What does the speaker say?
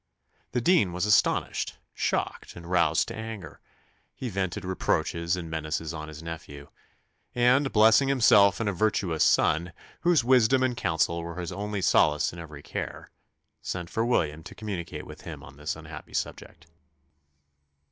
The dean was astonished, shocked, and roused to anger: he vented reproaches and menaces on his nephew; and "blessing himself in a virtuous son, whose wisdom and counsel were his only solace in every care," sent for William to communicate with him on this unhappy subject.